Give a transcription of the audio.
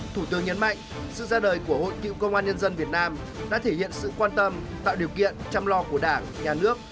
thủ tướng nhấn mạnh sự ra đời của hội cựu công an nhân dân việt nam đã thể hiện sự quan tâm tạo điều kiện chăm lo của đảng nhà nước